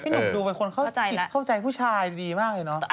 พี่หนุ่มดูเป็นคนเข้าใจผู้ชายดีมากเลยเนอะ